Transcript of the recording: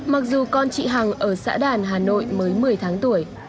mặc dù con chị hằng ở xã đàn hà nội mới một mươi tháng tuổi